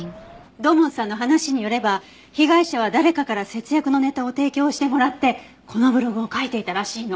土門さんの話によれば被害者は誰かから節約のネタを提供してもらってこのブログを書いていたらしいの。